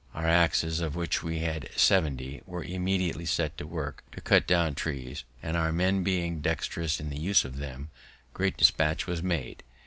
Our axes, of which we had seventy, were immediately set to work to cut down trees, and, our men being dexterous in the use of them, great despatch was made.